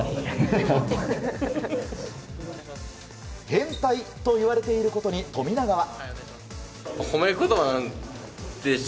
変態と言われていることに富永は。